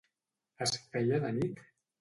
Es feia de nit?